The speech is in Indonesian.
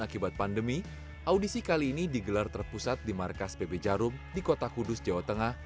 akibat pandemi audisi kali ini digelar terpusat di markas pb jarum di kota kudus jawa tengah